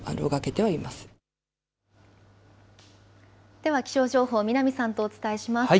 では気象情報、南さんとお伝えします。